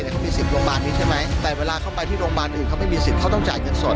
เขามี๑๐โรงพยาบาลนี้ใช่ไหมแต่เวลาเขาไปที่โรงพยาบาลอื่นเขาไม่มีสิทธิ์เขาต้องจ่ายเงินสด